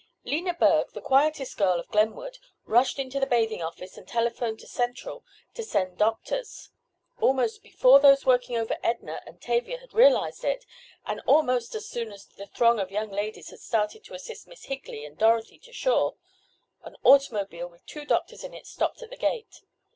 Lena Berg, the quietest girl of Glenwood, rushed into the bathing office and telephoned to Central to "send doctors." Almost before those working over Edna and Tavia had realized it, and, almost as soon as the throng of young ladies had started to assist Miss Higley and Dorothy to shore, an automobile with two doctors in it stopped at the gate.